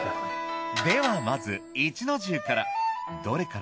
ではまず壱の重から。